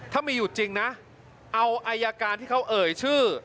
ถ้ามีอยู่จริงนะเอาอายการที่เขาเอ่ยชื่อ